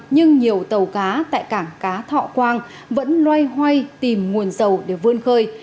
nhưng nhiều tàu cá tại cảng cá thọ quang vẫn loay hoay tìm nguồn dầu để vươn khơi